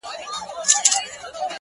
ته كه له ښاره ځې پرېږدې خپــل كــــــور”